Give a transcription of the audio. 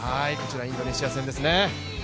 インドネシア戦ですね。